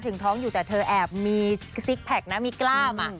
ถึงท้องอยู่แต่เธอแอบมีซิกแพคนะมีกล้าม